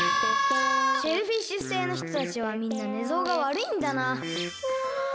シェルフィッシュ星のひとたちはみんなねぞうがわるいんだな。